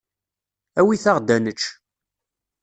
Awit-aɣ-d ad nečč.